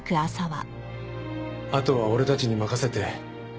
あとは俺たちに任せて。